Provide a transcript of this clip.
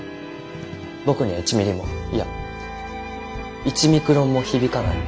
僕には１ミリもいや１ミクロンも響かない。